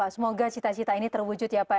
semoga cita cita ini terwujud ya pak